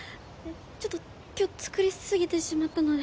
ちょっと今日作り過ぎてしまったので。